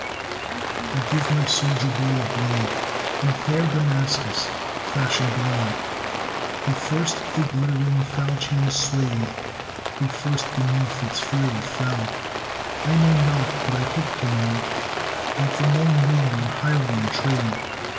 I give my soldier boy a blade, In fair Damascus fashioned well: Who first the glittering falchion swayed, Who first beneath its fury fell, I know not; but I hope to know, That, for no mean or hireling trade.